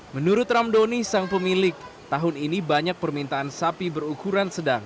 menurut ramdoni sang pemilik tahun ini banyak permintaan sapi berukuran sedang